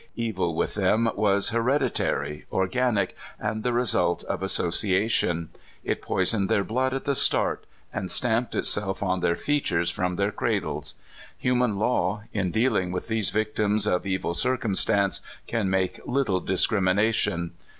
Evil with them was hered itary, organic, and the result of association; it poisoned their blood at the start, and stamped itself on their features from their cradles. Human law, in dealing with these victims of evil circum stance, can make little discrimination.